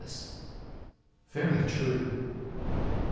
Very true.